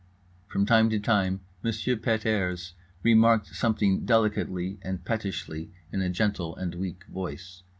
From time to time Monsieur Pet airs remarked something delicately and pettishly in a gentle and weak voice.